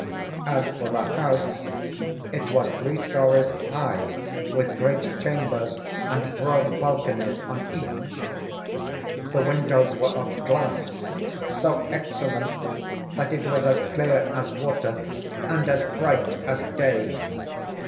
As for the house, it was three storeys high, with great chambers and broad balconies on each. The windows were of glass, so excellent that it was as clear as water and as bright as day.